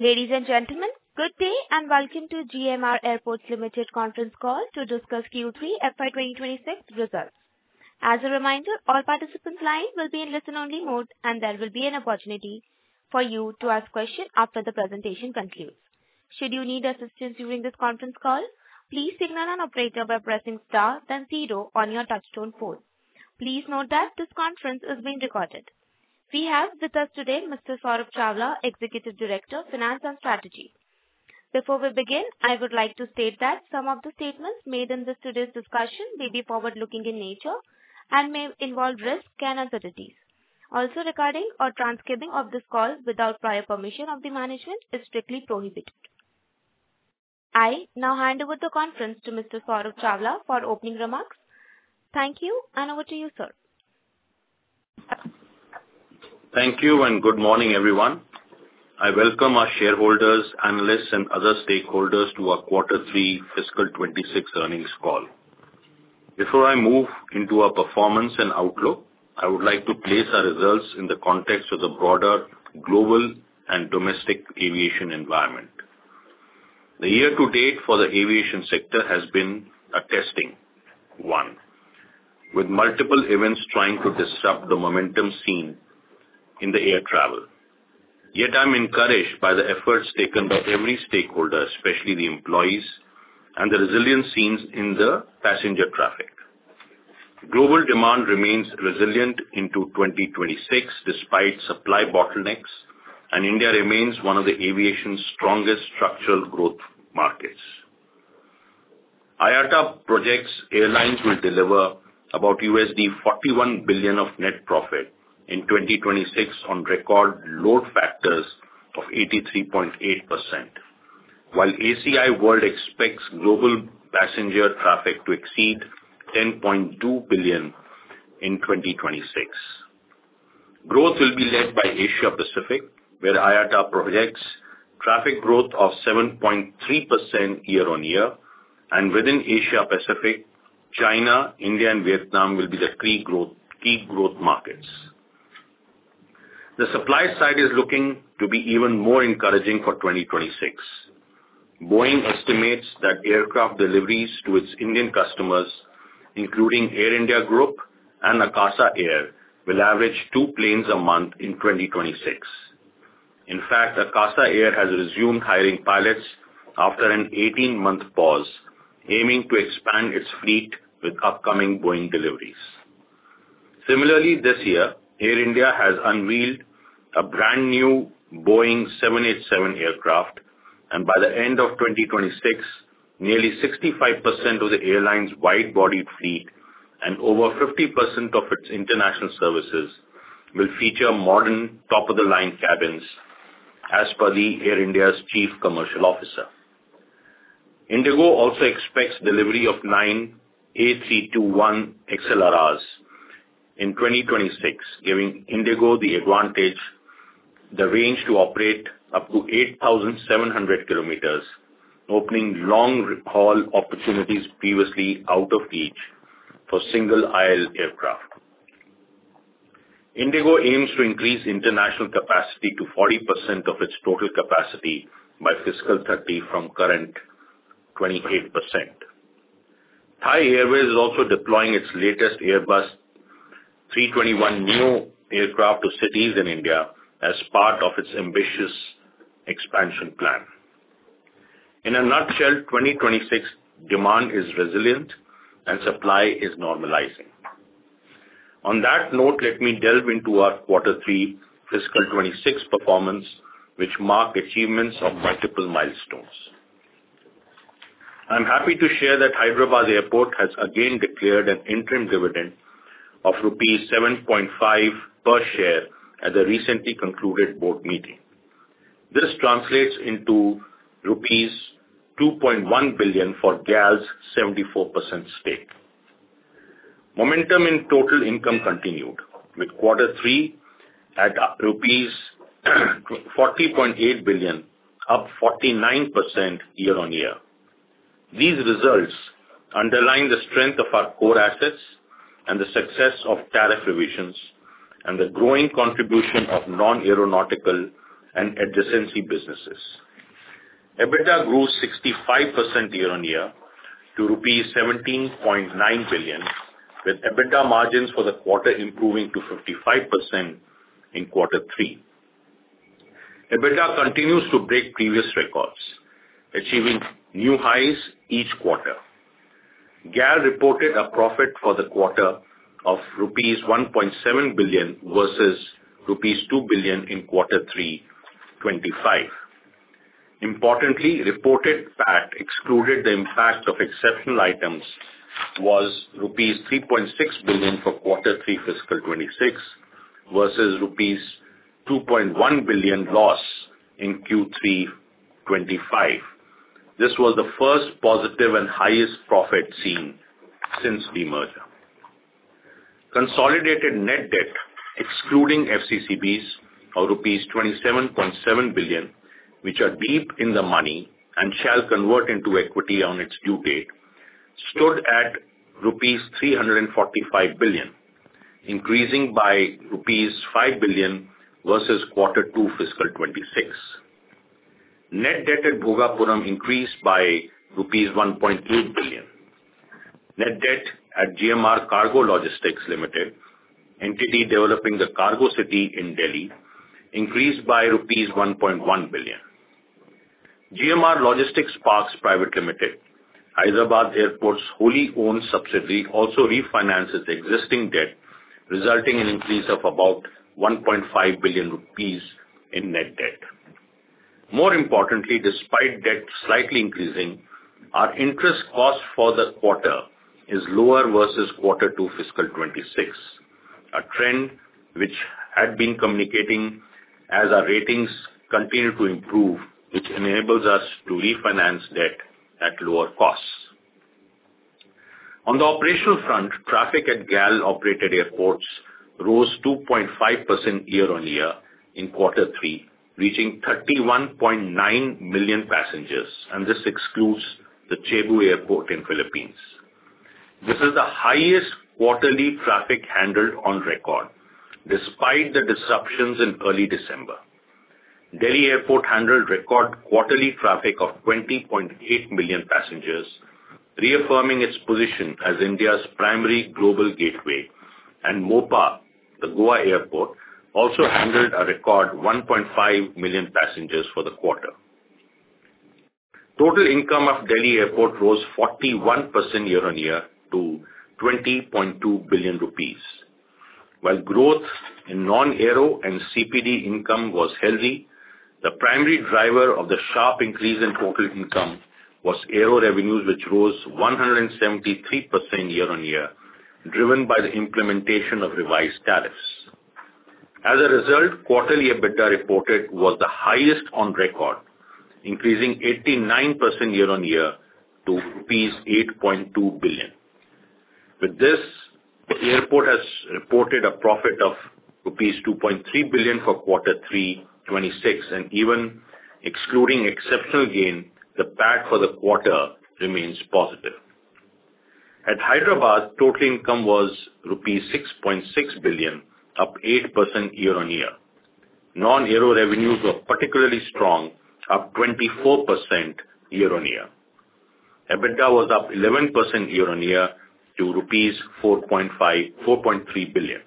Ladies and gentlemen, good day, and welcome to GMR Airports Limited Conference Call to discuss Q3 FY 2026 results. As a reminder, all participants' lines will be in listen-only mode, and there will be an opportunity for you to ask questions after the presentation concludes. Should you need assistance during this conference call, please signal an operator by pressing star then zero on your touchtone phone. Please note that this conference is being recorded. We have with us today Mr. Saurabh Chawla, Executive Director, Finance and Strategy. Before we begin, I would like to state that some of the statements made in this today's discussion may be forward-looking in nature and may involve risks and uncertainties. Also, recording or transcribing of this call without prior permission of the management is strictly prohibited. I now hand over the conference to Mr. Saurabh Chawla for opening remarks. Thank you, and over to you, sir. Thank you, and good morning, everyone. I welcome our shareholders, analysts, and other stakeholders to our quarter 3 fiscal 2026 earnings call. Before I move into our performance and outlook, I would like to place our results in the context of the broader global and domestic aviation environment. The year-to-date for the aviation sector has been a testing one, with multiple events trying to disrupt the momentum seen in the air travel. Yet I'm encouraged by the efforts taken by every stakeholder, especially the employees, and the resilience seen in the passenger traffic. Global demand remains resilient into 2026 despite supply bottlenecks, and India remains one of the aviation's strongest structural growth markets. IATA projects airlines will deliver about $41 billion of net profit in 2026 on record load factors of 83.8%, while ACI World expects global passenger traffic to exceed 10.2 billion in 2026. Growth will be led by Asia-Pacific, where IATA projects traffic growth of 7.3% YoY, and within Asia-Pacific, China, India, and Vietnam will be the key growth markets. The supply side is looking to be even more encouraging for 2026. Boeing estimates that aircraft deliveries to its Indian customers, including Air India Group and Akasa Air, will average two planes a month in 2026. In fact, Akasa Air has resumed hiring pilots after an 18-month pause, aiming to expand its fleet with upcoming Boeing deliveries. Similarly, this year, Air India has unveiled a brand new Boeing 787 aircraft, and by the end of 2026, nearly 65% of the airline's wide-body fleet and over 50% of its international services will feature modern, top-of-the-line cabins, as per Air India's Chief Commercial Officer. IndiGo also expects delivery of nine A321XLRs in 2026, giving IndiGo the advantage, the range to operate up to 8,700 km, opening long-haul opportunities previously out of reach for single-aisle aircraft. IndiGo aims to increase international capacity to 40% of its total capacity by fiscal 2030 from current 28%. Thai Airways is also deploying its latest Airbus 321neo aircraft to cities in India as part of its ambitious expansion plan. In a nutshell, 2026 demand is resilient and supply is normalizing. On that note, let me delve into our quarter three fiscal 2026 performance, which mark achievements of multiple milestones. I'm happy to share that Hyderabad Airport has again declared an interim dividend of rupees 7.5 per share at the recently concluded board meeting. This translates into rupees 2.1 billion for GAL's 74% stake. Momentum in total income continued, with quarter three at rupees 40.8 billion, up 49% YoY. These results underline the strength of our core assets and the success of tariff revisions and the growing contribution of Non-Aeronautical and Adjacency businesses. EBITDA grew 65% YoY to rupees 17.9 billion, with EBITDA margins for the quarter improving to 55% in quarter three. EBITDA continues to break previous records, achieving new highs each quarter. GAL reported a profit for the quarter of rupees 1.7 billion versus rupees 2 billion in quarter 3 2025. Importantly, reported PAT, excluded the impact of exceptional items, was rupees 3.6 billion for quarter 3 fiscal 2026 versus rupees 2.1 billion loss in Q3 2025. This was the first positive and highest profit seen since the merger. Consolidated net debt, excluding FCCBs of rupees 27.7 billion, which are deep in the money and shall convert into equity on its due date, stood at rupees 345 billion, increasing by rupees 5 billion versus quarter 2 fiscal 2026. Net debt at Bhogapuram increased by rupees 1.8 billion. Net Debt at GMR Cargo and Logistics Limited, entity developing the cargo city in Delhi, increased by rupees 1.1 billion. GMR Logistics Parks Private Limited, Hyderabad Airport's wholly owned subsidiary, also refinanced its existing debt, resulting in increase of about 1.5 billion rupees in net debt. More importantly, despite debt slightly increasing, our interest cost for the quarter is lower versus quarter two fiscal 2026, a trend which had been communicating as our ratings continue to improve, which enables us to refinance debt at lower costs. On the operational front, traffic at GAL operated airports rose 2.5% YoY in quarter three, reaching 31.9 million passengers, and this excludes the Cebu Airport in Philippines. This is the highest quarterly traffic handled on record, despite the disruptions in early December. Delhi Airport handled record quarterly traffic of 20.8 million passengers, reaffirming its position as India's primary global gateway, and Mopa, the Goa airport, also handled a record 1.5 million passengers for the quarter. Total income of Delhi Airport rose 41% YoY to 20.2 billion rupees. While growth in Non-Aero and CPD income was healthy, the primary driver of the sharp increase in total income was Aero revenues, which rose 173% YoY, driven by the implementation of revised tariffs. As a result, quarterly EBITDA reported was the highest on record, increasing 89% YoY to rupees 8.2 billion. With this, the airport has reported a profit of rupees 2.3 billion for quarter three, 2026, and even excluding exceptional gain, the PAT for the quarter remains positive. At Hyderabad, total income was rupees 6.6 billion, up 8% YoY. Non-Aero revenues were particularly strong, up 24% YoY. EBITDA was up 11% YoY to rupees 4.3 billion.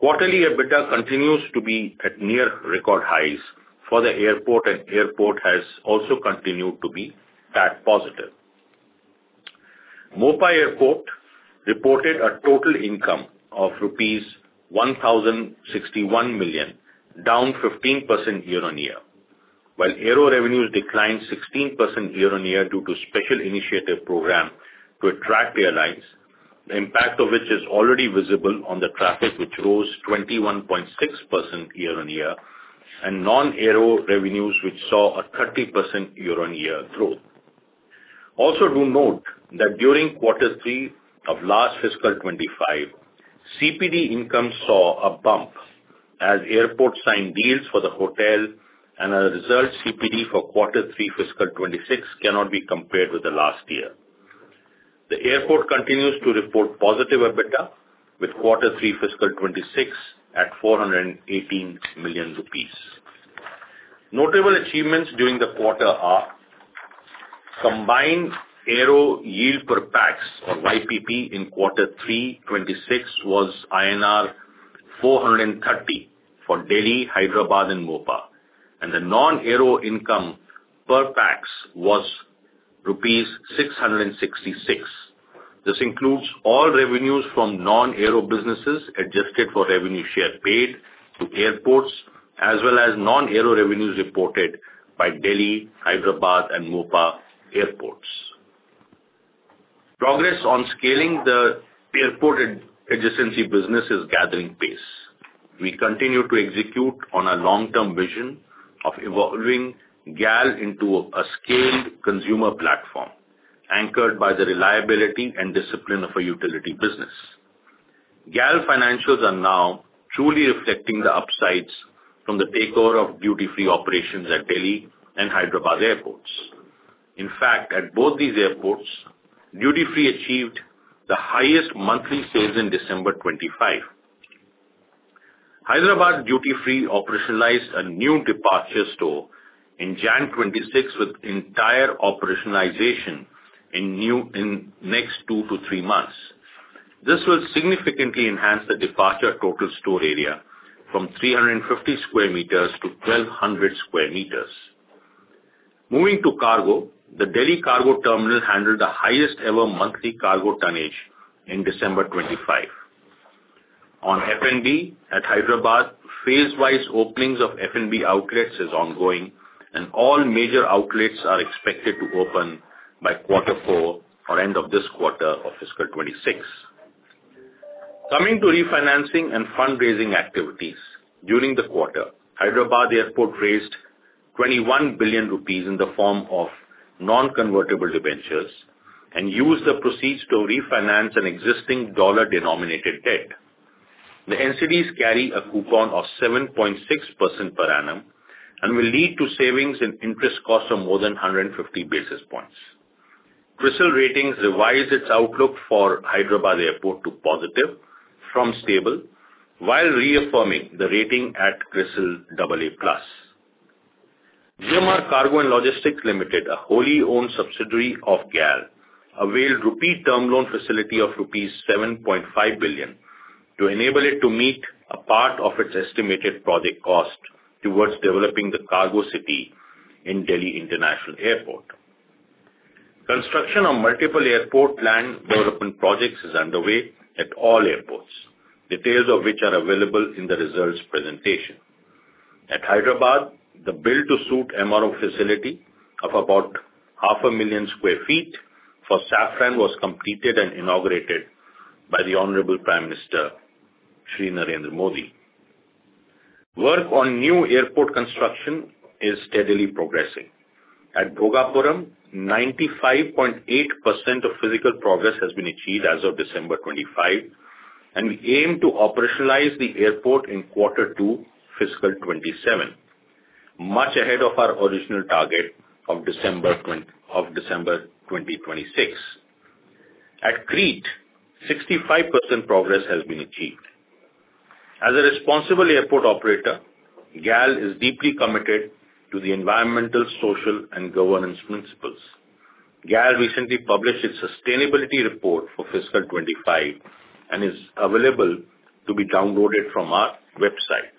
Quarterly EBITDA continues to be at near record highs for the airport, and airport has also continued to be PAT positive. Mopa Airport reported a total income of rupees 1,061 million, down 15% YoY. While Aero revenues declined 16% YoY due to special initiative program to attract airlines, the impact of which is already visible on the traffic, which rose 21.6% YoY, and Non-Aero revenues, which saw a 30% YoY growth. Also, do note that during quarter three of last fiscal 2025, CPD income saw a bump as airport signed deals for the hotel, and as a result, CPD for quarter three fiscal 2026 cannot be compared with the last year. The airport continues to report positive EBITDA, with quarter three fiscal 2026 at 418 million rupees. Notable achievements during the quarter are combined Aero Yield Per Pax, or YPP, in quarter three, 2026, was INR 430 for Delhi, Hyderabad, and Mopa, and the Non-Aero income per pax was rupees 666. This includes all revenues from Non-Aero businesses, adjusted for revenue share paid to airports, as well as Non-Aero revenues reported by Delhi, Hyderabad, and Mopa airports. Progress on scaling the airport and adjacency business is gathering pace. We continue to execute on our long-term vision of evolving GAL into a scaled consumer platform, anchored by the reliability and discipline of a utility business. GAL financials are now truly reflecting the upsides from the takeover of duty-free operations at Delhi and Hyderabad airports. In fact, at both these airports, duty-free achieved the highest monthly sales in December 2025. Hyderabad duty-free operationalized a new departure store in January 2026, with entire operationalization in next 2-3 months. This will significantly enhance the departure total store area from 350 sq m to 1,200 sq m. Moving to cargo, the Delhi cargo terminal handled the highest ever monthly cargo tonnage in December 2025. On F&B at Hyderabad, phase-wise openings of F&B outlets is ongoing, and all major outlets are expected to open by quarter four or end of this quarter of fiscal 2026. Coming to refinancing and fundraising activities, during the quarter, Hyderabad Airport raised 21 billion rupees in the form of non-convertible debentures and used the proceeds to refinance an existing USD-denominated debt. The NCDs carry a coupon of 7.6% per annum and will lead to savings in interest costs of more than 150 basis points. Crisil Ratings revised its outlook for Hyderabad Airport to positive from stable, while reaffirming the rating at Crisil AA+. GMR Cargo and Logistics Limited, a wholly owned subsidiary of GAL, availed rupee term loan facility of rupees 7.5 billion to enable it to meet a part of its estimated project cost towards developing the cargo city in Delhi International Airport. Construction on multiple airport land development projects is underway at all airports, details of which are available in the results presentation. At Hyderabad, the build to suit MRO facility of about 500,000 sq ft for Safran was completed and inaugurated by the Honorable Prime Minister, Shri Narendra Modi. Work on new airport construction is steadily progressing. At Bhogapuram, 95.8% of physical progress has been achieved as of December 25, and we aim to operationalize the airport in quarter two, fiscal 2027, much ahead of our original target of December 2026. At Crete, 65% progress has been achieved. As a responsible airport operator, GAL is deeply committed to the environmental, social, and governance principles. GAL recently published its sustainability report for fiscal 2025, and it is available to be downloaded from our website.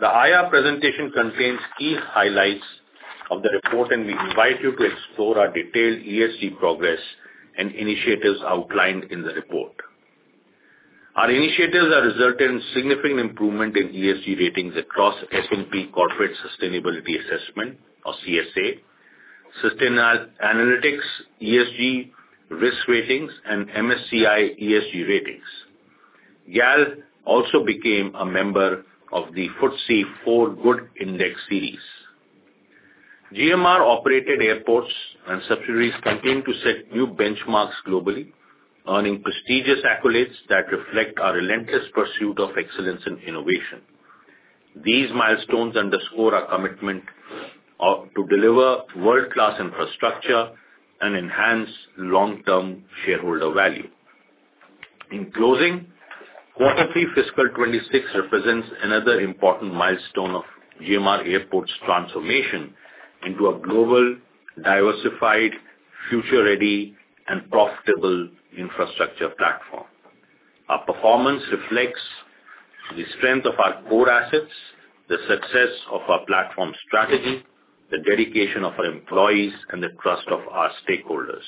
The IR presentation contains key highlights of the report, and we invite you to explore our detailed ESG progress and initiatives outlined in the report. Our initiatives are resulted in significant improvement in ESG ratings across S&P Corporate Sustainability Assessment or CSA, Sustainalytics, ESG risk ratings, and MSCI ESG ratings. GAL also became a member of the FTSE4Good Index Series. GMR-operated airports and subsidiaries continue to set new benchmarks globally, earning prestigious accolades that reflect our relentless pursuit of excellence and innovation. These milestones underscore our commitment to deliver world-class infrastructure and enhance long-term shareholder value. In closing, quarter 3 fiscal 2026 represents another important milestone of GMR Airports transformation into a global, diversified, future-ready, and profitable infrastructure platform. Our performance reflects the strength of our core assets, the success of our platform strategy, the dedication of our employees, and the trust of our stakeholders.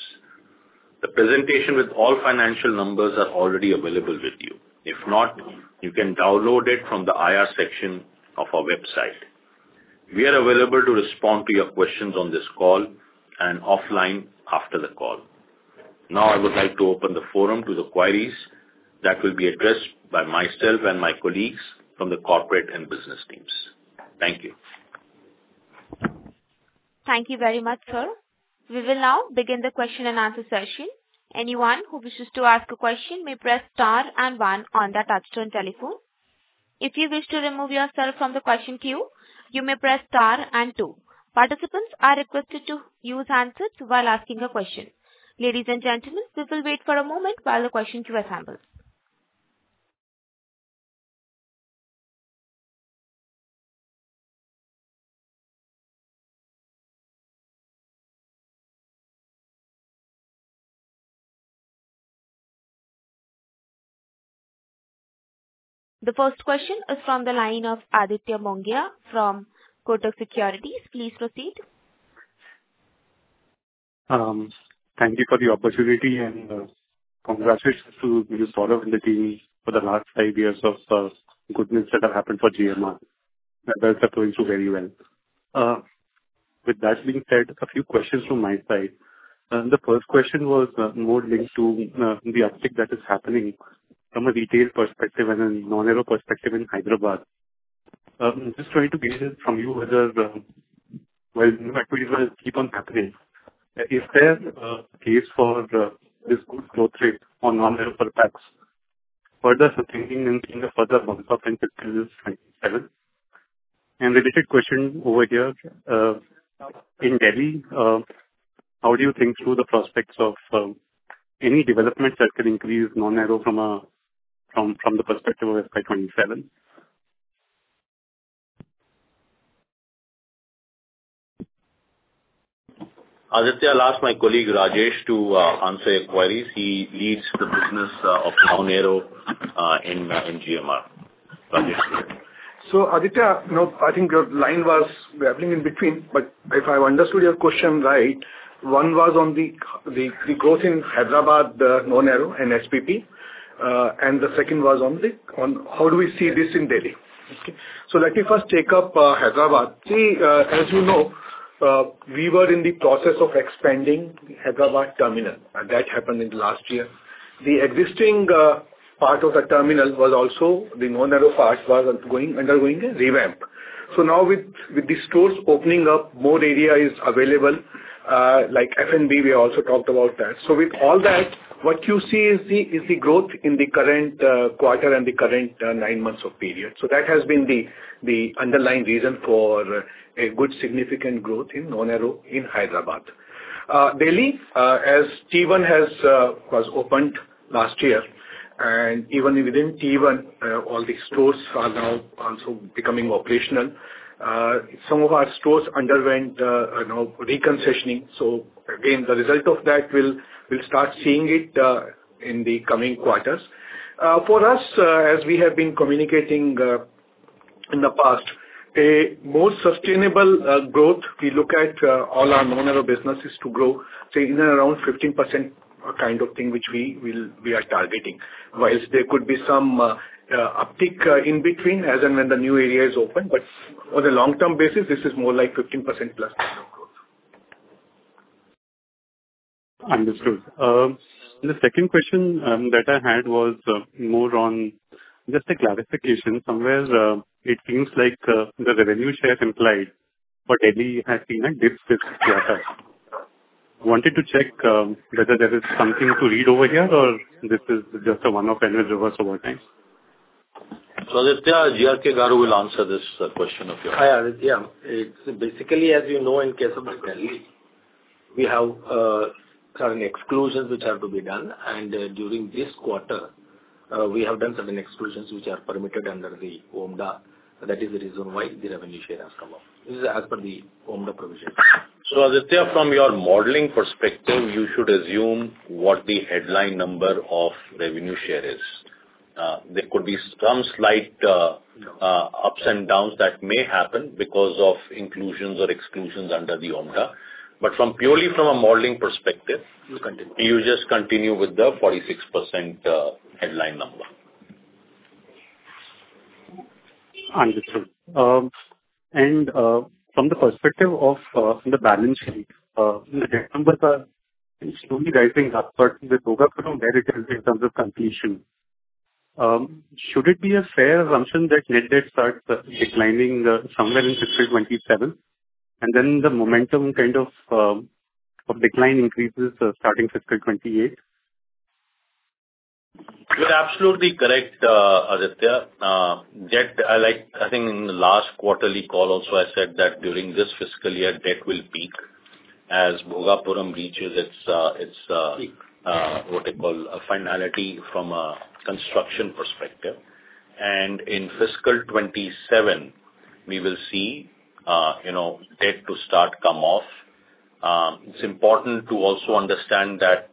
The presentation with all financial numbers are already available with you. If not, you can download it from the IR section of our website. We are available to respond to your questions on this call and offline after the call. Now, I would like to open the forum to the queries that will be addressed by myself and my colleagues from the corporate and business teams. Thank you. Thank you very much, sir. We will now begin the question and answer session. Anyone who wishes to ask a question may press star and one on their touchtone telephone. If you wish to remove yourself from the question queue, you may press star and two. Participants are requested to use handsets while asking a question. Ladies and gentlemen, we will wait for a moment while the question queue assembles. The first question is from the line of Aditya Mongia from Kotak Securities. Please proceed. Thank you for the opportunity and, congratulations to you sir and the team for the last five years of goodness that have happened for GMR. Numbers are going through very well. With that being said, a few questions from my side. The first question was more linked to the uptick that is happening from a retail perspective and a Non-Aero perspective in Hyderabad. Just trying to gauge it from you, whether while new equities will keep on happening, is there a case for this good growth rate on Non-Aero perhaps further sustaining in the further months into 2027? The related question over here in Delhi, how do you think through the prospects of any developments that can increase Non-Aero from a from the perspective of FY 2027? Aditya, I'll ask my colleague, Rajesh, to answer your queries. He leads the business of Non-Aero in GMR. Rajesh? So, Aditya, you know, I think your line was wobbling in between, but if I've understood your question right, one was on the growth in Hyderabad, the Non-Aero and SPP, and the second was on how do we see this in Delhi? Okay. So let me first take up Hyderabad. See, as you know, we were in the process of expanding Hyderabad terminal, and that happened in the last year. The existing part of the terminal was also the Non-Aero part, was undergoing a revamp. So now with the stores opening up, more area is available, like F&B, we also talked about that. So with all that, what you see is the growth in the current quarter and the current nine months of period. So that has been the underlying reason for a good significant growth in Non-Aero in Hyderabad. Delhi, as T1 was opened last year, and even within T1, all the stores are now also becoming operational. Some of our stores underwent, you know, re-concessioning. So again, the result of that we'll start seeing it in the coming quarters. For us, as we have been communicating in the past, a more sustainable growth, we look at all our Non-Aero businesses to grow, say, in and around 15% kind of thing, which we are targeting. Whilst there could be some uptick in between as and when the new area is open, but on a long-term basis, this is more like 15% plus kind of growth. Understood. The second question that I had was more on just a clarification. Somewhere it seems like the revenue share implied, but Delhi has seen a dip this quarter. Wanted to check whether there is something to read over here, or this is just a one-off and it reverses over time? Aditya, GRK Babu will answer this question of yours. Hi, Aditya. It's basically, as you know, in case of Delhi, we have certain exclusions which are to be done, and during this quarter, we have done certain exclusions which are permitted under the OMDA. That is the reason why the revenue share has come up. This is as per the OMDA provision. Aditya, from your modeling perspective, you should assume what the headline number of revenue share is. There could be some slight ups and downs that may happen because of inclusions or exclusions under the OMDA, but purely from a modeling perspective- We continue. -you just continue with the 46%, headline number. Understood. From the perspective of the balance sheet, the debt numbers are slowly rising up, but with Bhogapuram there it is in terms of completion. Should it be a fair assumption that net debt starts declining somewhere in fiscal 2027, and then the momentum kind of of decline increases starting fiscal 2028? You're absolutely correct, Aditya. Debt, I like—I think in the last quarterly call also, I said that during this fiscal year, debt will peak as Bhogapuram reaches its, what I call a finality from a construction perspective. And in fiscal 2027, we will see, you know, debt to start come off. It's important to also understand that,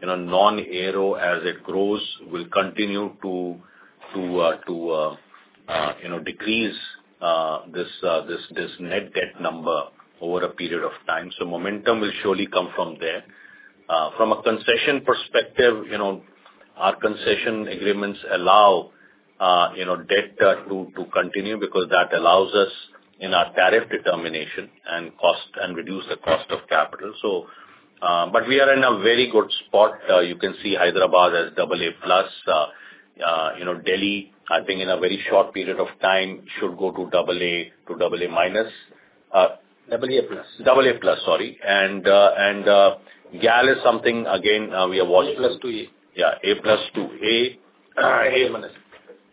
you know, Non-Aero, as it grows, will continue to, you know, decrease this net debt number over a period of time. So momentum will surely come from there. From a concession perspective, you know, our concession agreements allow, you know, debt, to continue because that allows us in our tariff determination and cost, and reduce the cost of capital. So... But we are in a very good spot. You can see Hyderabad as AA+. You know, Delhi, I think in a very short period of time, should go to AA, to AA-. AA+. AA+, sorry. And GAL is something, again, we are watching. A+ to A. Yeah, A+ to A. AA-.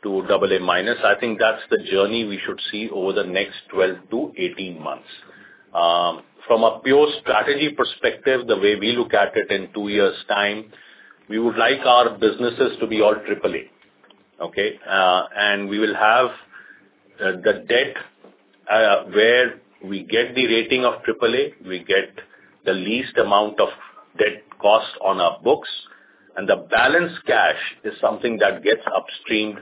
To AA-. I think that's the journey we should see over the next 12-18 months. From a pure strategy perspective, the way we look at it, in 2 years' time, we would like our businesses to be all AAA, okay? And we will have the debt where we get the rating of AAA, we get the least amount of debt cost on our books, and the balance cash is something that gets upstreamed,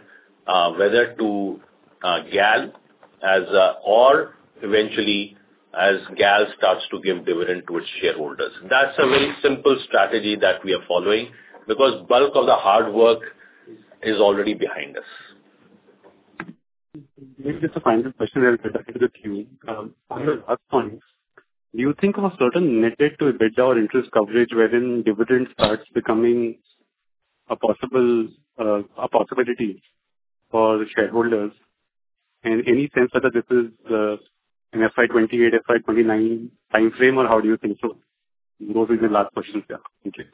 whether to GAL or eventually as GAL starts to give dividend to its shareholders. That's a very simple strategy that we are following, because bulk of the hard work is already behind us. Just a final question, and I'll get back to the queue. On your last point, do you think of a certain net debt to EBITDA or interest coverage wherein dividend starts becoming a possible, a possibility for the shareholders? And any sense that this is, an FY 2028, FY 2029 time frame, or how do you think so? Those were my last questions, yeah. Thank you.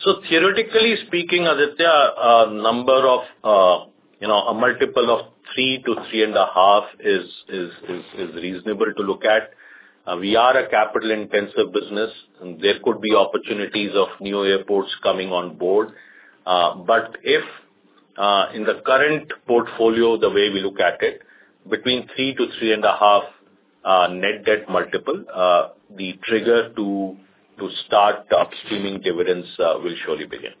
So theoretically speaking, Aditya, number of, you know, a multiple of 3-3.5 is reasonable to look at. We are a capital-intensive business, and there could be opportunities of new airports coming on board. But if, in the current portfolio, the way we look at it, between 3-3.5, net debt multiple, the trigger to start upstreaming dividends, will surely begin.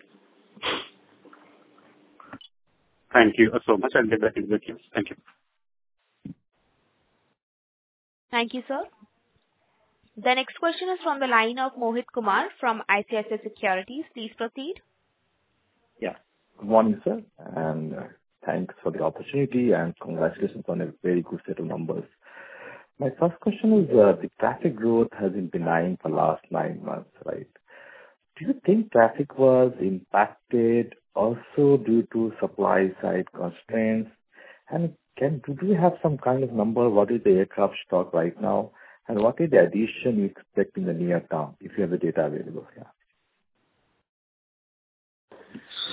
Thank you so much, and I'll get back with you. Thank you. Thank you, sir. The next question is from the line of Mohit Kumar from ICICI Securities. Please proceed. Yeah. Good morning, sir, and thanks for the opportunity, and congratulations on a very good set of numbers. My first question is, the traffic growth has been benign for the last nine months, right? Do you think traffic was impacted also due to supply side constraints? And can, do we have some kind of number, what is the aircraft stock right now, and what is the addition you expect in the near term, if you have the data available here?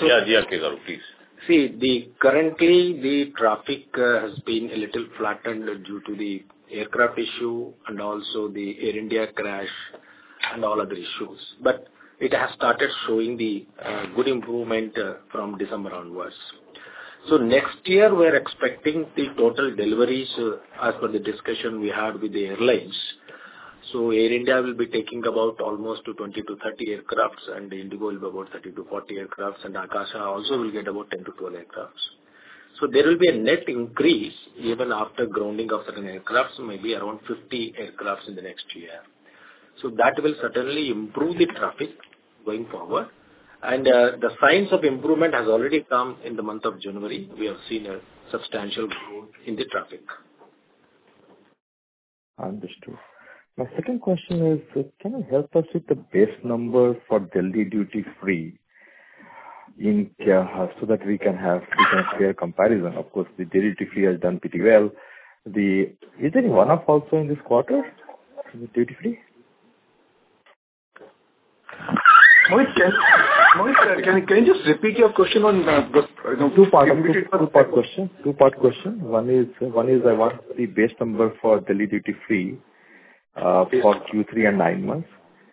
Yeah, yeah, GRK, please. See, currently the traffic has been a little flattened due to the aircraft issue and also the Air India crash and all other issues. But it has started showing the good improvement from December onwards. So next year we're expecting the total deliveries as per the discussion we had with the airlines. So Air India will be taking about almost 20-30 aircrafts, and IndiGo will be about 30-40 aircrafts, and Akasa also will get about 10-12 aircrafts. So there will be a net increase even after grounding of certain aircrafts, maybe around 50 aircrafts in the next year. So that will certainly improve the traffic going forward. And the signs of improvement has already come in the month of January. We have seen a substantial growth in the traffic. Understood. My second question is: Can you help us with the base number for Delhi duty-free in GAL, so that we can have, we can compare comparison? Of course, the Delhi duty-free has done pretty well. Is there any one-off also in this quarter, in the duty-free? Mohit, can you just repeat your question on the, the- Two-part question. One is, I want the base number for Delhi duty-free for Q3 and nine months.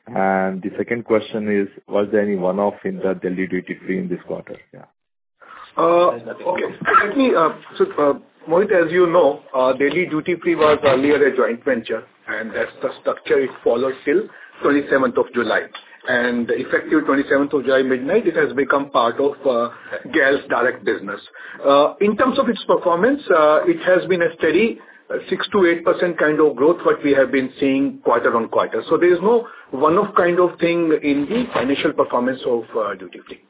And the second question is: Was there any one-off in the Delhi duty-free in this quarter? Yeah. Okay. Let me so Mohit, as you know, Delhi Duty Free was earlier a joint venture, and that's the structure it followed till 27th of July. Effective 27th of July, midnight, it has become part of GAL's direct business. In terms of its performance, it has been a steady 6%-8% kind of growth, what we have been seeing quarter-on-quarter. So there is no one-off kind of thing in the financial performance of duty-free.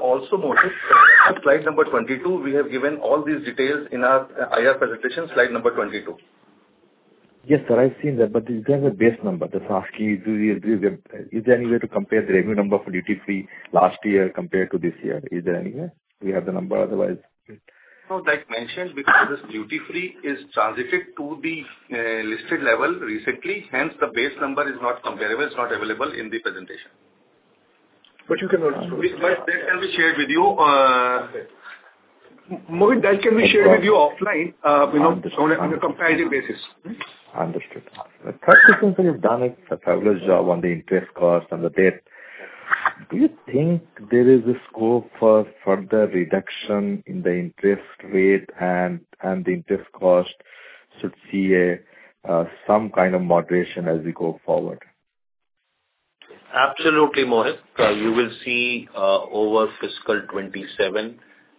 Also, Mohit, Slide 22, we have given all these details in our IR presentation, Slide 22. Yes, sir, I've seen that, but is there a base number, the last key? Is there any way to compare the revenue number for duty-free last year compared to this year? Is there any way we have the number otherwise? No, like mentioned, because this duty-free is transited to the listed level recently, hence the base number is not comparable. It's not available in the presentation. But you can... But that can be shared with you. Mohit, that can be shared with you offline, you know, on a comparative basis. Understood. The third thing that you've done a fabulous job on the interest cost and the debt. Do you think there is a scope for further reduction in the interest rate, and the interest cost should see a some kind of moderation as we go forward? Absolutely, Mohit. You will see, over fiscal 2027,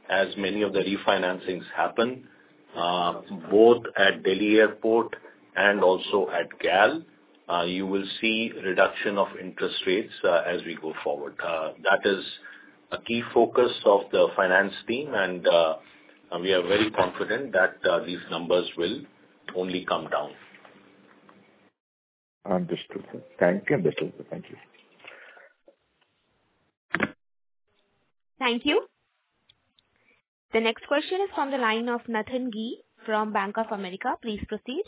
as many of the refinancings happen, both at Delhi Airport and also at GAL, you will see reduction of interest rates, as we go forward. That is a key focus of the finance team, and, we are very confident that, these numbers will only come down. Understood, sir. Thank you. Understood, sir. Thank you. Thank you. The next question is from the line of Nathan Gee from Bank of America. Please proceed.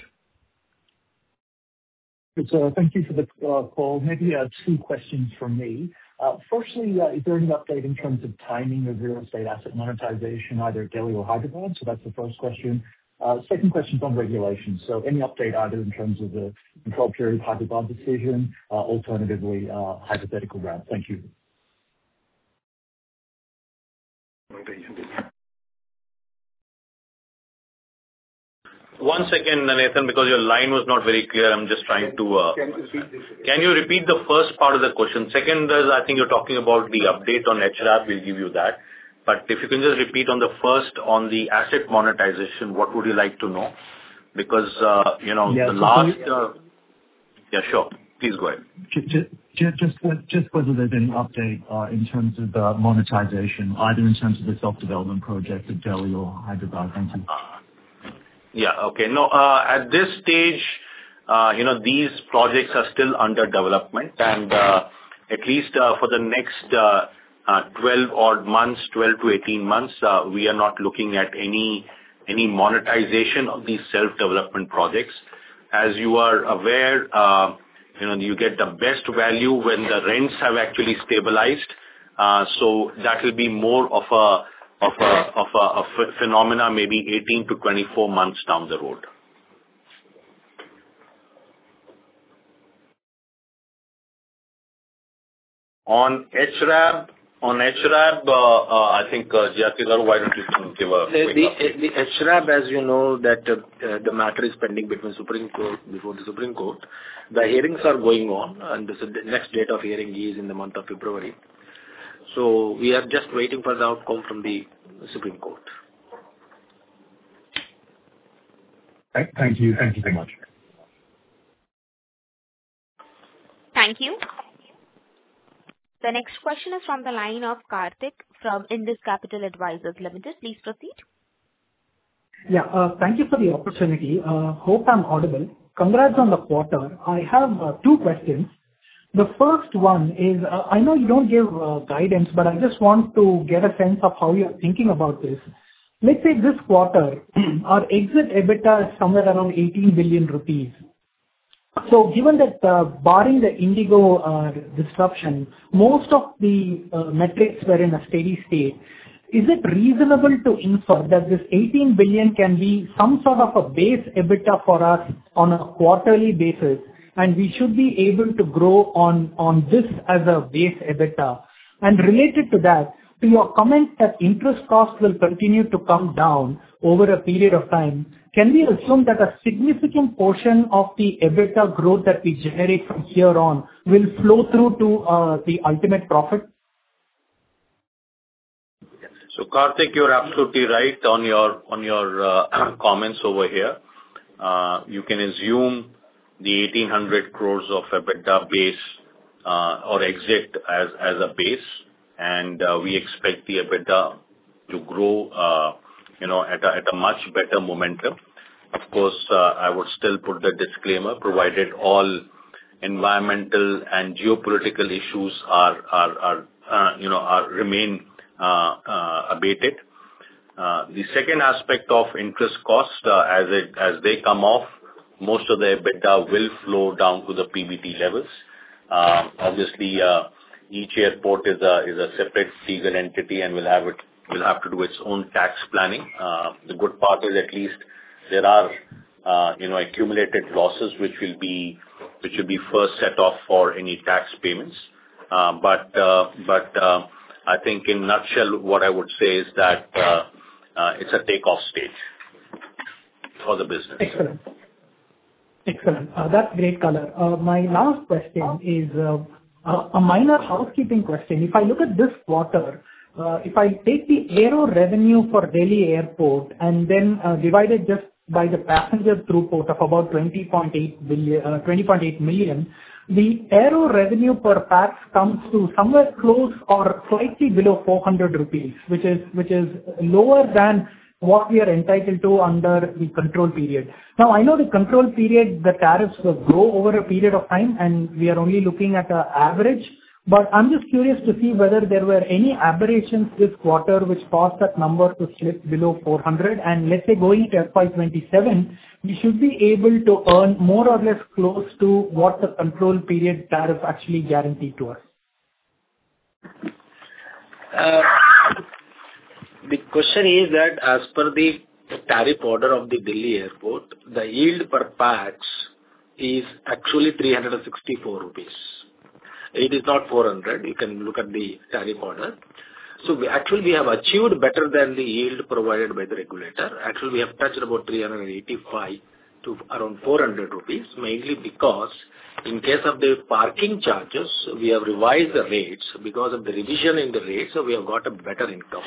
Good sir. Thank you for the call. Maybe two questions from me. Firstly, is there any update in terms of timing of real estate asset monetization, either Delhi or Hyderabad? So that's the first question. Second question is on regulation. So any update either in terms of the Control Period Hyderabad decision, alternatively, hypothetical round. Thank you. One second, Nathan, because your line was very clear. I'm just trying to, Can you repeat please? Can you repeat the first part of the question? Second is, I think you're talking about the update on HRAB, we'll give you that. But if you can just repeat on the first, on the asset monetization, what would you like to know? Because, you know, the last... Yeah, sure. Please go ahead. Whether there's any update in terms of the monetization, either in terms of the self-development project at Delhi or Hyderabad? Thank you. Yeah. Okay. No, at this stage, you know, these projects are still under development, and, at least, for the next, 12 odd months, 12-18 months, we are not looking at any monetization of these self-development projects. As you are aware, you know, you get the best value when the rents have actually stabilized. So that will be more of a phenomenon, maybe 18-24 months down the road. On HRAB, I think, GRK Babu, why don't you give a- The HRAB, as you know, the matter is pending before the Supreme Court. The hearings are going on, and the next date of hearing is in the month of February. So we are just waiting for the outcome from the Supreme Court. Thank you. Thank you very much. Thank you. The next question is from the line of Karthik from Indus Capital Advisors Limited. Please proceed.... Yeah, thank you for the opportunity. Hope I'm audible. Congrats on the quarter. I have two questions. The first one is, I know you don't give guidance, but I just want to get a sense of how you're thinking about this. Let's say this quarter, our exit EBITDA is somewhere around 18 billion rupees. So given that, barring the IndiGo disruption, most of the metrics were in a steady state, is it reasonable to infer that this 18 billion can be some sort of a base EBITDA for us on a quarterly basis, and we should be able to grow on this as a base EBITDA? Related to that, to your comment that interest costs will continue to come down over a period of time, can we assume that a significant portion of the EBITDA growth that we generate from here on will flow through to the ultimate profit? So, Karthik, you're absolutely right on your comments over here. You can assume the 1,800 crore EBITDA base or exit as a base, and we expect the EBITDA to grow, you know, at a much better momentum. Of course, I would still put the disclaimer, provided all environmental and geopolitical issues are, you know, remain abated. The second aspect of interest cost, as they come off, most of the EBITDA will flow down to the PBT levels. Obviously, each airport is a separate legal entity, and will have to do its own tax planning. The good part is at least there are, you know, accumulated losses, which will be first set off for any tax payments. But, I think in a nutshell, what I would say is that it's a takeoff stage for the business. Excellent. Excellent. That's great color. My last question is a minor housekeeping question. If I look at this quarter, if I take the Aero revenue for Delhi Airport and then divide it just by the passenger throughput of about 20.8 billion, 20.8 million, the Aero revenue per pax comes to somewhere close or slightly below 400 rupees, which is lower than what we are entitled to under the control period. Now, I know the control period, the tariffs will grow over a period of time, and we are only looking at the average. But I'm just curious to see whether there were any aberrations this quarter which caused that number to slip below 400. Let's say, going to FY 2027, we should be able to earn more or less close to what the Control Period tariff actually guaranteed to us. The question is that as per the tariff order of the Delhi airport, the Yield Per Pax is actually 364 rupees. It is not 400. You can look at the tariff order. So we actually have achieved better than the yield provided by the regulator. Actually, we have touched about 385 to around 400 rupees, mainly because in case of the parking charges, we have revised the rates. Because of the revision in the rates, so we have got a better income.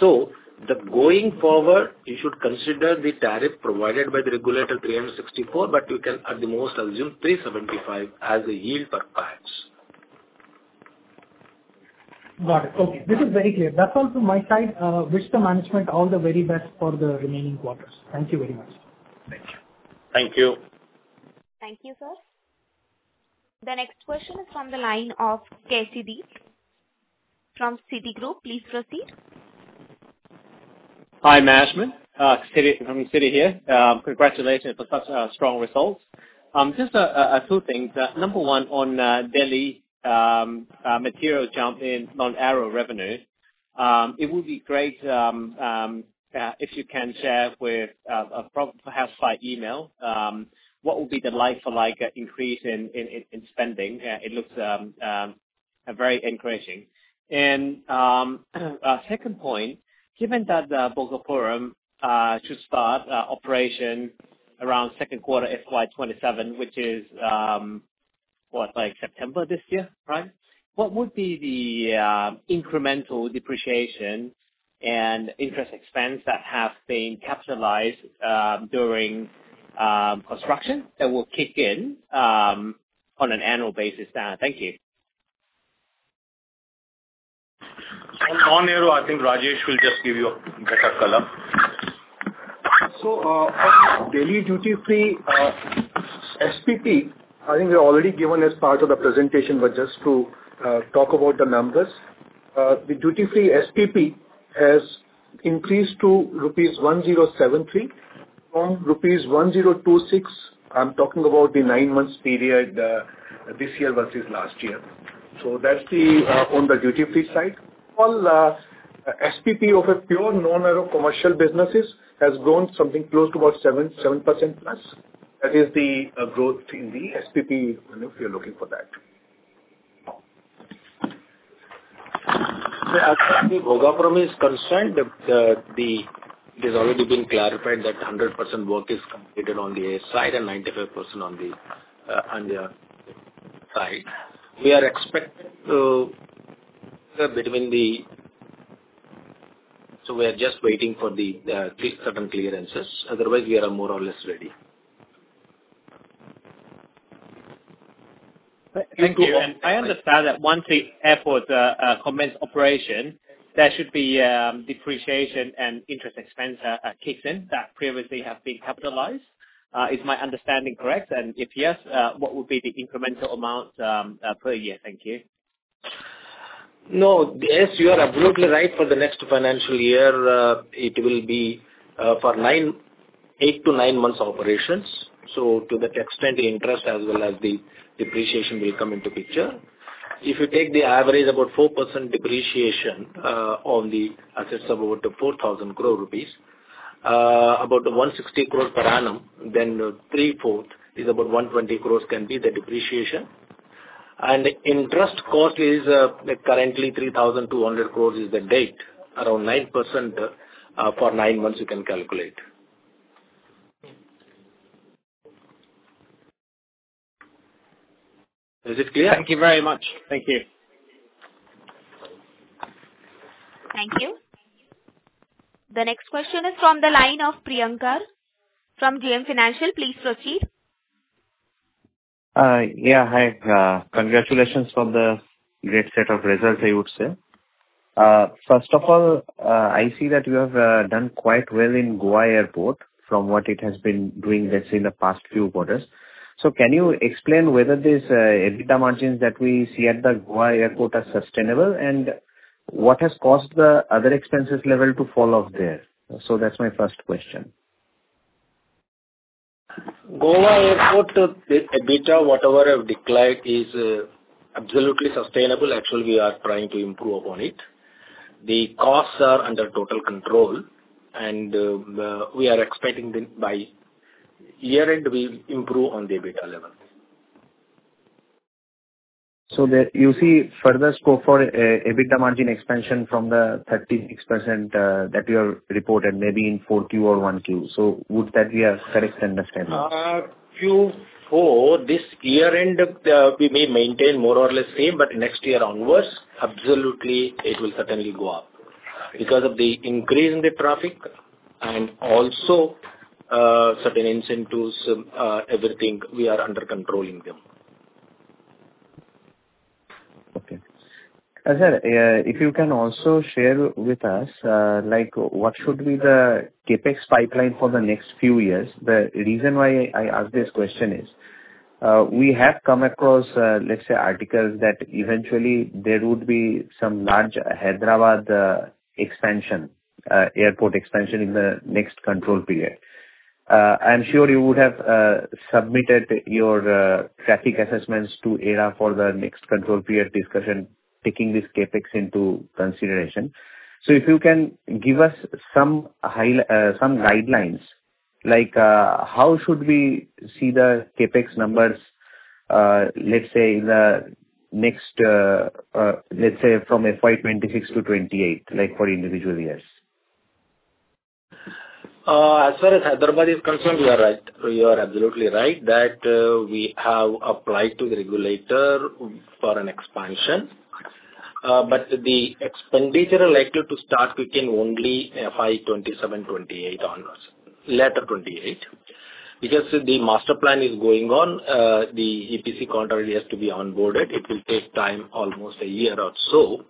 So going forward, you should consider the tariff provided by the regulator 364, but you can at the most assume 375 as the Yield Per Pax. Got it. Okay, this is very clear. That's all from my side. Wish the management all the very best for the remaining quarters. Thank you very much. Thank you. Thank you, sir. The next question is from the line of [ksidith] from Citi. Please proceed. Hi, management, [Ksidith], from Citi here. Congratulations for such strong results. Just two things. Number one on Delhi, material jump in Non-Aero revenues. It would be great if you can share with perhaps by email, what would be the like-for-like increase in spending? It looks very encouraging. And second point, given that the Bhogapuram should start operation around second quarter FY 2027, which is, what? Like September this year, right? What would be the incremental depreciation and interest expense that have been capitalized during construction, that will kick in on an annual basis? Thank you. On Non-Aero, I think Rajesh will just give you a better color. So, Delhi duty-free, SPP, I think we've already given as part of the presentation, but just to talk about the numbers. The duty-free SPP has increased to rupees 1,073 from rupees 1,026. I'm talking about the nine months period, this year versus last year. So that's the on the duty-free side. All SPP of a pure Non-Aero commercial businesses has grown something close to about 7.7%+. That is the growth in the SPP, I know if you're looking for that. As far as Bhogapuram is concerned, it has already been clarified that 100% work is completed on the air side and 95% on the, on the side. We are expected to, between the. So we are just waiting for the, three certain clearances. Otherwise, we are more or less ready.... Thank you. And I understand that once the airport commence operation, there should be depreciation and interest expense kicks in, that previously have been capitalized. Is my understanding correct? And if yes, what would be the incremental amount per year? Thank you. No. Yes, you are absolutely right. For the next financial year, it will be for 8-9 months operations. So to that extent, the interest as well as the depreciation will come into picture. If you take the average, about 4% depreciation on the assets of about 4,000 crore rupees, about 160 crore per annum, then three-fourths is about 120 crore can be the depreciation. And interest cost is currently 3,200 crore is the debt, around 9%, for 9 months, you can calculate. Is this clear? Thank you very much. Thank you. Thank you. The next question is from the line of [Priyanka] from JM Financial. Please proceed. Yeah, hi. Congratulations on the great set of results, I would say. First of all, I see that you have done quite well in Goa Airport from what it has been doing, let's say, in the past few quarters. So can you explain whether these EBITDA margins that we see at the Goa Airport are sustainable, and what has caused the other expenses level to fall off there? So that's my first question. Goa Airport EBITDA, whatever have declined, is absolutely sustainable. Actually, we are trying to improve upon it. The costs are under total control, and we are expecting them by year-end. We improve on the EBITDA level. So you see further scope for an EBITDA margin expansion from the 36%, that you have reported maybe in 4Q or 1Q. So would that be a correct understanding? Q4, this year-end, we may maintain more or less same, but next year onwards, absolutely, it will certainly go up. Because of the increase in the traffic and also, certain incentives, everything, we are under controlling them. Okay. Sir, if you can also share with us, like, what should be the CapEx pipeline for the next few years? The reason why I ask this question is, we have come across, let's say, articles that eventually there would be some large Hyderabad expansion, airport expansion in the next control period. I'm sure you would have submitted your traffic assessments to AERA for the next control period discussion, taking this CapEx into consideration. So if you can give us some guidelines, like, how should we see the CapEx numbers, let's say, in the next, let's say, from FY 2026 to 2028, like, for individual years? As far as Hyderabad is concerned, you are right. You are absolutely right that we have applied to the regulator for an expansion. But the expenditure expected to start kicking only FY 2027-2028 onwards, latter 2028. Because the master plan is going on, the EPC contract has to be onboarded. It will take time, almost a year or so.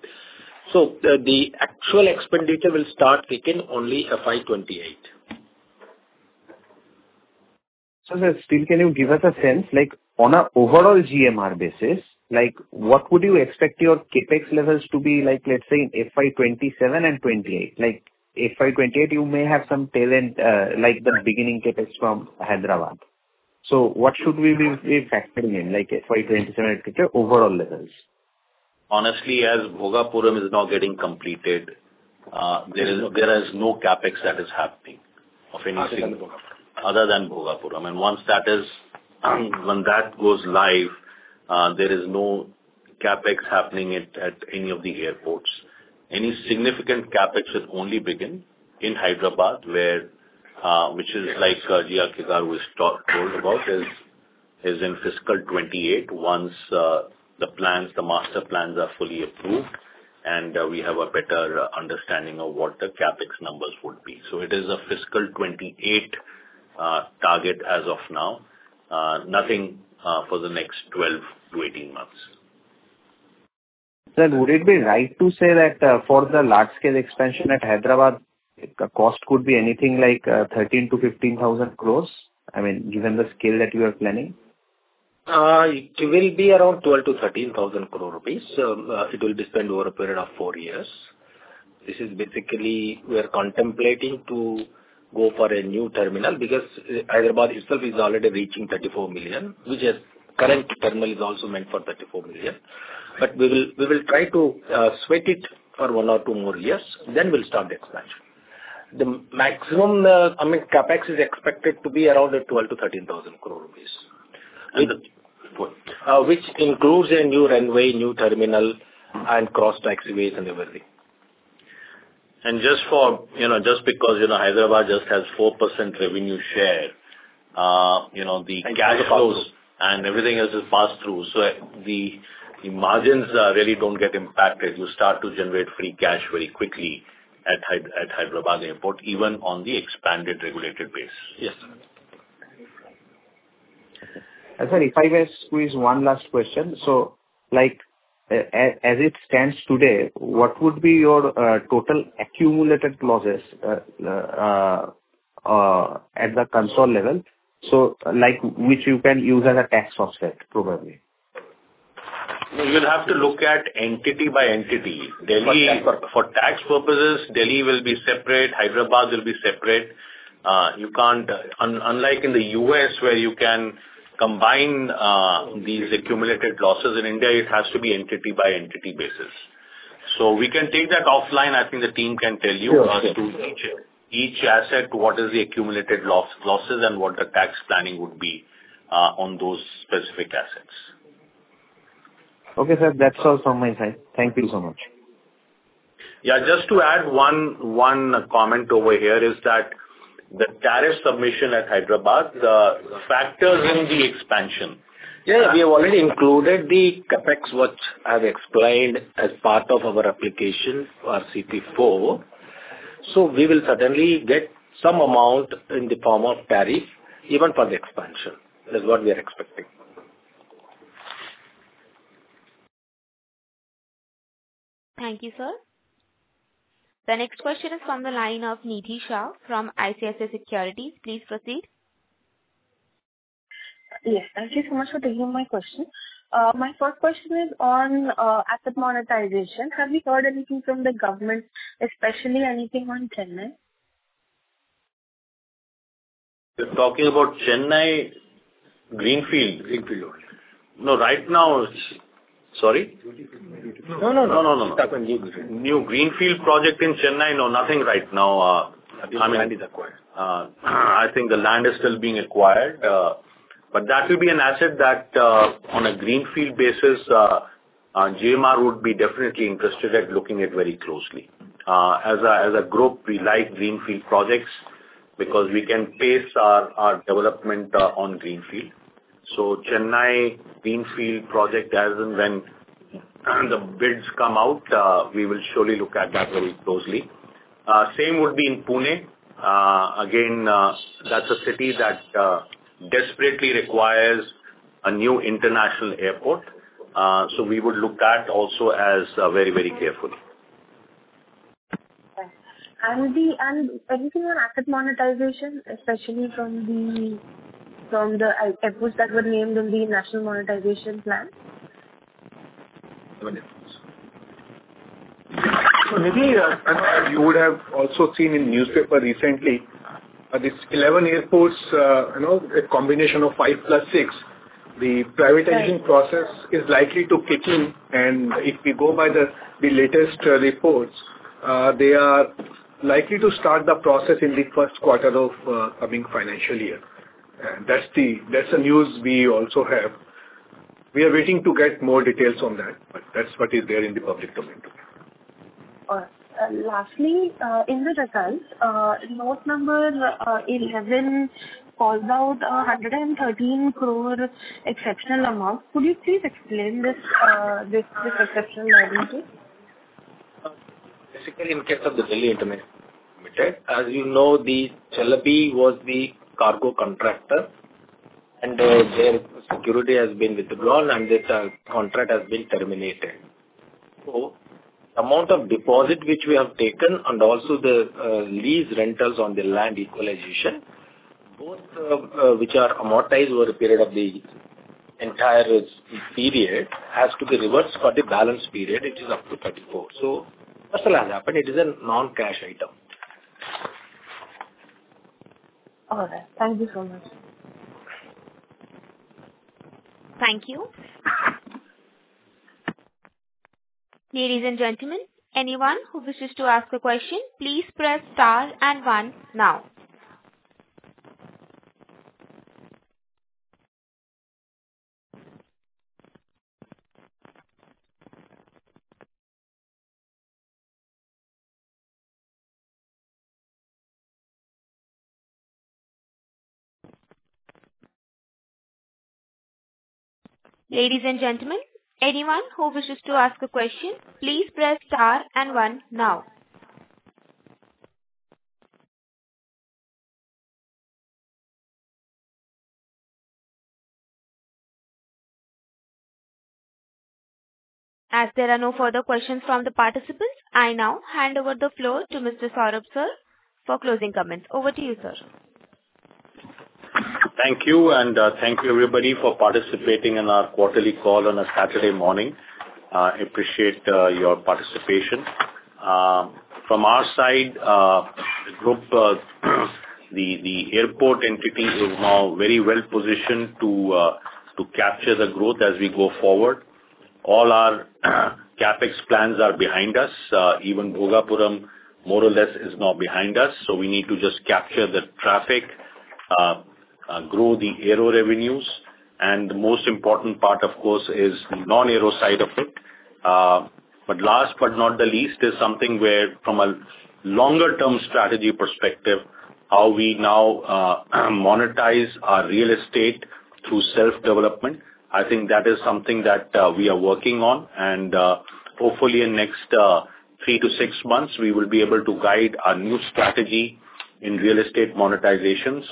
So the actual expenditure will start kicking only FY 2028. So then, still, can you give us a sense, like, on an overall GMR basis, like, what would you expect your CapEx levels to be like, let's say, in FY 2027 and 2028? Like, FY 2028, you may have some terminal, like the beginning CapEx from Hyderabad. So what should we be factoring in, like, FY 2027 at the overall levels? Honestly, as Bhogapuram is now getting completed, there is, there is no CapEx that is happening of anything- Other than Bhogapuram. Other than Bhogapuram. Once that is... when that goes live, there is no CapEx happening at any of the airports. Any significant CapEx will only begin in Hyderabad, where, which is like, GRK. Babu was told about, is in fiscal 2028, once the plans, the master plans are fully approved, and we have a better understanding of what the CapEx numbers would be. So it is a fiscal 2028 target as of now. Nothing for the next 12-18 months. Would it be right to say that, for the large scale expansion at Hyderabad, the cost could be anything like 13,000 crore-15,000 crore? I mean, given the scale that you are planning. It will be around 12,000 crore-13,000 crore rupees. It will be spent over a period of 4 years. This is basically, we are contemplating to go for a new terminal, because Hyderabad itself is already reaching 34 million, which is current terminal is also meant for 34 million. But we will, we will try to, sweat it for 1 or 2 more years, then we'll start the expansion. The maximum, I mean, CapEx is expected to be around the 12,000 crore-13,000 crore rupees. And- which includes a new runway, new terminal, and cross taxiways and everything. Just for... You know, just because, you know, Hyderabad just has 4% revenue share, you know, the- Cash flows. Everything else is passed through, so the margins really don't get impacted. You start to generate free cash very quickly... at Hyderabad Airport, even on the expanded regulated base. Yes. Sorry, if I may squeeze one last question. So like, as it stands today, what would be your total accumulated losses at the consolidated level? So, like, which you can use as a tax offset, probably. You will have to look at entity by entity. Delhi- For tax purpose. For tax purposes, Delhi will be separate, Hyderabad will be separate. You can't, unlike in the U.S., where you can combine these accumulated losses, in India, it has to be entity by entity basis. So we can take that offline. I think the team can tell you- Sure, sure. To each asset, what is the accumulated losses, and what the tax planning would be, on those specific assets? Okay, sir. That's all from my side. Thank you so much. Yeah, just to add one, one comment over here is that the tariff submission at Hyderabad factors in the expansion. Yeah, we have already included the CapEx, what I've explained as part of our application for CP4. So we will certainly get some amount in the form of tariff, even for the expansion. That is what we are expecting. Thank you, sir. The next question is on the line of Nidhi Shah from ICICI Securities. Please proceed. Yes. Thank you so much for taking my question. My first question is on asset monetization. Have you heard anything from the government, especially anything on Chennai? You're talking about Chennai greenfield? Greenfield. No, right now... Sorry? No, no, no. No, no, no, no. New greenfield project in Chennai? No, nothing right now. The land is acquired. I think the land is still being acquired, but that will be an asset that, on a greenfield basis, GMR would be definitely interested at looking at very closely. As a, as a group, we like greenfield projects because we can pace our, our development, on greenfield. So Chennai greenfield project, as and when the bids come out, we will surely look at that very closely. Same would be in Pune. Again, that's a city that desperately requires a new international airport. So we would look at also as, very, very carefully. And anything on asset monetization, especially from the airports that were named in the national monetization plan? So Nidhi, you would have also seen in newspaper recently, this 11 airports, you know, a combination of 5 plus 6. The privatization process is likely to kick in, and if we go by the, the latest, reports, they are likely to start the process in the first quarter of, coming financial year. That's the, that's the news we also have. We are waiting to get more details on that, but that's what is there in the public domain. Lastly, in the results, note number 11 calls out 113 crore exceptional amount. Could you please explain this exceptional liability? Basically, in case of the Delhi International Limited, as you know, the Celebi was the cargo contractor, and, their security has been withdrawn, and their contract has been terminated. So amount of deposit, which we have taken, and also the, lease rentals on the land equalization, both, which are amortized over a period of the entire period, has to be reversed for the balance period, which is up to 2024. So that's what has happened. It is a non-cash item. All right. Thank you so much. Thank you. Ladies and gentlemen, anyone who wishes to ask a question, please press star and one now. Ladies and gentlemen, anyone who wishes to ask a question, please press star and one now. As there are no further questions from the participants, I now hand over the floor to Mr. Saurabh, sir, for closing comments. Over to you, sir. Thank you, and thank you, everybody, for participating in our quarterly call on a Saturday morning. I appreciate your participation. From our side, the group, the airport entity is now very well positioned to capture the growth as we go forward. All our CapEx plans are behind us. Even Bhogapuram, more or less, is now behind us, so we need to just capture the traffic, grow the Aero revenues, and the most important part, of course, is the Non-Aero side of it. But last but not the least is something where from a longer-term strategy perspective, how we now monetize our real estate through self-development. I think that is something that we are working on, and hopefully in next 3-6 months, we will be able to guide our new strategy in real estate monetizations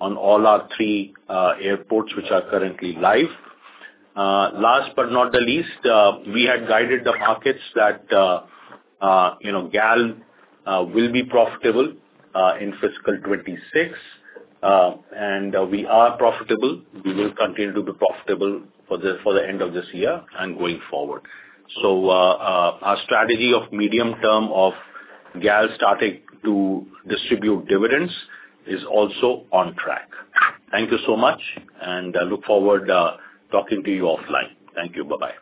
on all our 3 airports, which are currently live. Last but not the least, we had guided the markets that you know, GAL will be profitable in fiscal 2026. And we are profitable. We will continue to be profitable for the end of this year and going forward. So our strategy of medium term of GAL starting to distribute dividends is also on track. Thank you so much, and I look forward talking to you offline. Thank you. Bye-bye.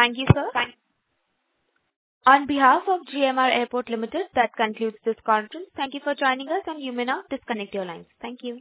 Thank you, sir. On behalf of GMR Airports Limited, that concludes this conference. Thank you for joining us, and you may now disconnect your lines. Thank you.